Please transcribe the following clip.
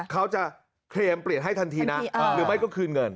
เขาจะเคลมเปลี่ยนให้ทันทีนะหรือไม่ก็คืนเงิน